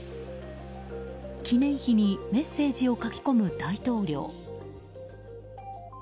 記念碑にメッセージを書き込む大統領。